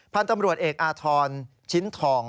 พันธุ์ตำรวจเอกอาทรชิ้นทอง